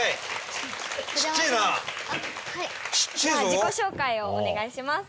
自己紹介をお願いします。